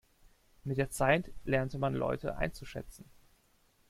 Mit der Zeit lernt man Leute einzuschätzen.